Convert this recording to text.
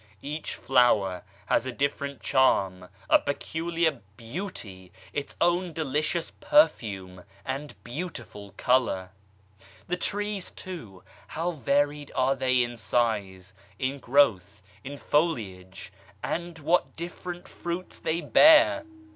Each flower has a different charm, a peculiar beauty, its own delicious perfume and beautiful colour. The trees too, how varied are they in size, in growth, in foliage and what different fruits they bear